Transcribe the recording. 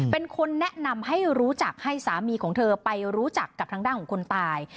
เป็นคนแนะนำให้รู้จักให้สามีของเธอไปรู้จักกับทางด้านของคนตาย